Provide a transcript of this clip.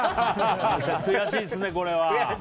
悔しいですね、これは。